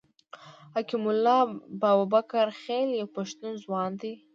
حکیم الله بابکرخېل یو پښتون ځوان دی.